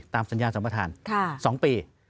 ตามสัญญาณสัมพันธ์๒ปี